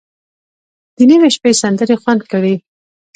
د نیمې شپې سندرې خوند کړي.